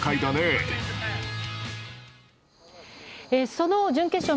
その準決勝